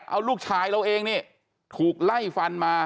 เอาลูกชายเราเองนี่ถูกไล่ฟันมา